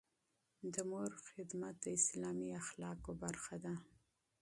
د مور خدمت د اسلامي اخلاقو برخه ده.